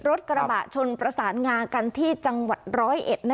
รถกระบะชนประสานงากันที่จังหวัดร้อยเอ็ด